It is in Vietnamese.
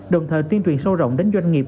đồng thời tuyên truyền sâu rộng đến doanh nghiệp